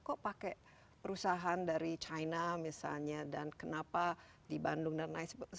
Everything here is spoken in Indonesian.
kok pakai perusahaan dari china misalnya dan kenapa di bandung dan lain sebagainya